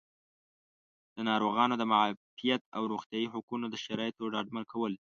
د ناروغانو د معافیت او روغتیایي حقونو د شرایطو ډاډمن کول